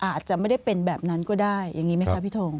อาจจะไม่ได้เป็นแบบนั้นก็ได้อย่างนี้ไหมคะพี่ทง